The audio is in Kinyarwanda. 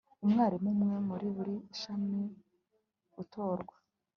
umwarimu umwe muri buri shami utorwa